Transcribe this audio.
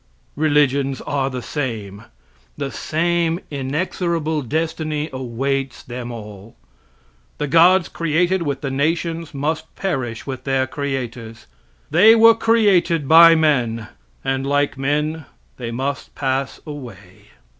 Religions are the same. The same inexorable destiny awaits them all. The gods created with the nations must perish with their creators. They were created by men, and, like men, they must pass away.